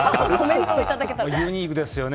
ユニークですよね。